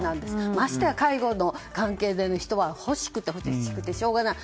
ましてや、介護に関係するような人は欲しくて欲しくてしょうがない。